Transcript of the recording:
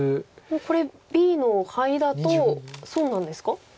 これＢのハイだと損なんですか？